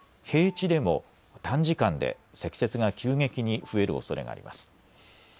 平地でも短時間で積雪が急激に増えるおそれがあります。